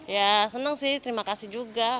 ya senang sih terima kasih juga